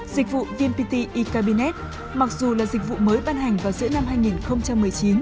dịch vụ vmpt ecabinet mặc dù là dịch vụ mới ban hành vào giữa năm hai nghìn một mươi chín